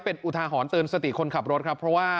เป็นอุทาหรณ์เตือนสติคนขับรถครับเพราะว่า